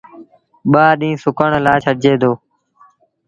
ٻآ ڏيٚݩهݩ سُڪڻ لآ ڇڏجي دو۔